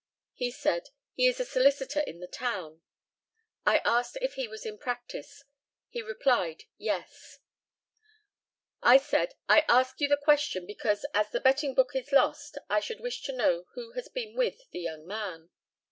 He said, "He is a solicitor in the town." I asked if he was in practice. He replied, "Yes." I said, "I ask you the question because, as the betting book is lost, I should wish to know who has been with the young man."